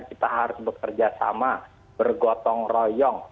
kita harus bekerja sama bergotong royong